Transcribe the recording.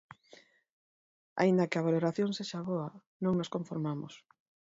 Aínda que a valoración sexa boa, non nos conformamos.